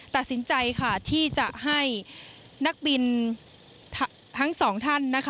ตัดสินใจที่จะให้นักบินทั้ง๒ท่าน